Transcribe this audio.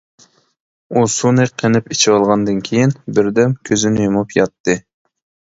ئۇ سۇنى قېنىپ ئىچىۋالغاندىن كېيىن، بىردەم كۆزىنى يۇمۇپ ياتتى.